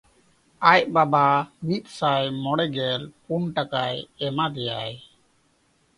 ᱟᱡ ᱵᱟᱵᱟ ᱢᱤᱫᱥᱟᱭ ᱢᱚᱬᱮᱜᱮᱞ ᱯᱩᱱ ᱴᱟᱠᱟ ᱮᱢᱟ ᱫᱮᱭᱟᱭ᱾